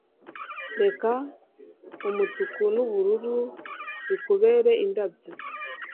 Reka umutuku nubururu bikubere indabyo